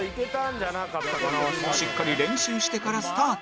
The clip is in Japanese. しっかり練習してからスタート